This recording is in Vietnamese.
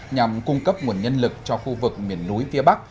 nhằm cung cấp nguồn nhân lực cho khu vực miền núi phía bắc